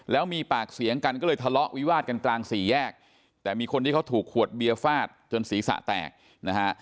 แล้วมีปากเสียงกันก็เลยทะเลาะวิวาดกันกลางสี่แยกแต่มีคนที่เขาถูกขวดเบียร์ฟาดจนศีรษะแตกนะฮะ